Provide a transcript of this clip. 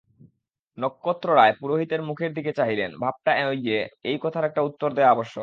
নক্ষত্ররায় পুরোহিতের মুখের দিকে চাহিলেন–ভাবটা এই যে, এ কথার একটা উত্তর দেওয়া আবশ্যক।